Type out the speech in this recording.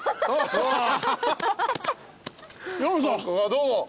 どうも。